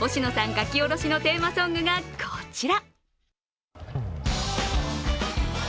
書き下ろしのテーマソングがこちら。